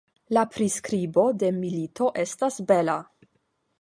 La priskribo de milito estas bela.